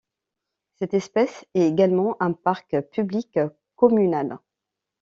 Cet espace est également un parc public communal.